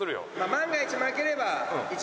万が一負ければ。